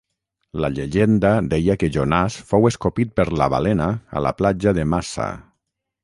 La llegenda deia que Jonàs fou escopit per la balena a la platja de Massa.